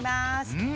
うん。